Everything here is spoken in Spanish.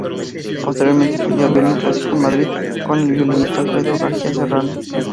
Posteriormente estudia violín clásico en Madrid con el violinista Alfredo García Serrano.